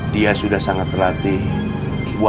dia sudah sangat terhati buat membaca keadaan